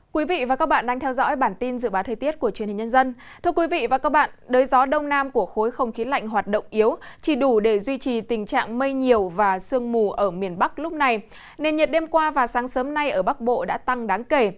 các bạn hãy đăng ký kênh để ủng hộ kênh của chúng mình nhé